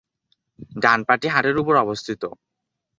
ডান পাটি হাঁটুর উপর স্থাপিত।